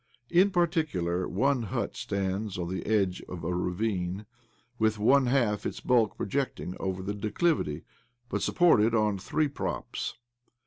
In particular, one hut stands on the edge of a ravine, with one half its bulk projecting over the declivity^ but supported on three props.